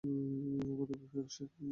আমার নাম Feng she.